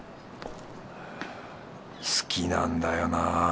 好きなんだよな